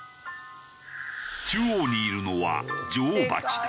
中央にいるのは女王蜂だ。